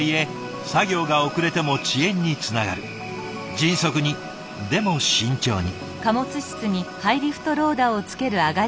迅速にでも慎重に。